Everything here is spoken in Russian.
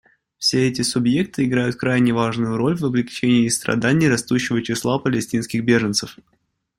Все эти субъекты играют крайне важную роль в облегчении страданий растущего числа палестинских беженцев.